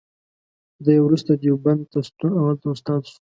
دی وروسته دیوبند ته ستون او هلته استاد شو.